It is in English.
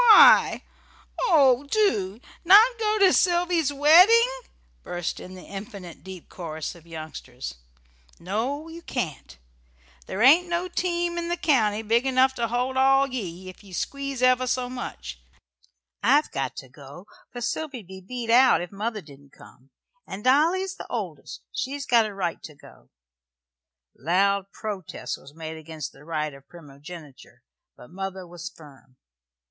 Why? Oh, do! Not go to Sylvy's wedding?" burst in the "infinite deep chorus" of youngsters. "No, you can't. There ain't no team in the county big enough to hold ye all, if ye squeeze ever so much. I've got to go, for Sylvy'd be beat out if mother didn't come. And Dolly's the oldest. She's got a right to go." Loud protest was made against the right of primogeniture, but mother was firm.